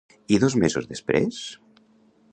I dos mesos després?